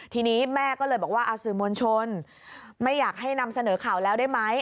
ทีนี้แม่ก็เลยบอกว่าสื่อมวลชนไม่อยากให้นำเสนอข่าวแล้วได้ไหม